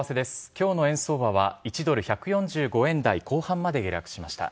きょうの円相場は、１ドル１４５円台後半まで下落しました。